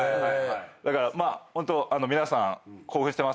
だからホント皆さん興奮してますけど。